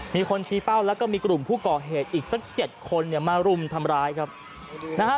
มีคนชี้เป้าแล้วก็มีกลุ่มผู้ก่อเหตุอีกสักเจ็ดคนเนี่ยมารุมทำร้ายครับนะฮะ